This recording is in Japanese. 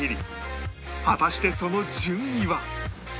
果たしてその順位は？